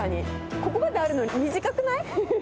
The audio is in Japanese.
ここまであるのに短くない？